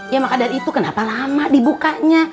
ya maka dari itu kenapa lama dibukanya